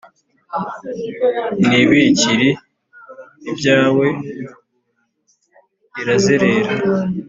ntibikiri ibyawe; irazerera